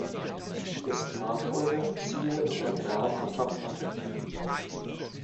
Dessen Nachfolger siehe unter Graf von Champagne.